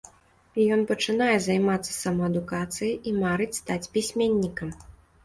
Ён пачынае займацца самаадукацыяй і марыць стаць пісьменнікам.